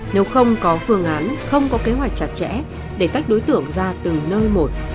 nếu không có phương án không có kế hoạch chặt chẽ để tách đối tượng ra từng nơi một